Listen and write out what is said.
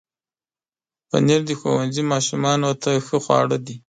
پنېر د ښوونځي ماشومانو ته ښه خواړه دي.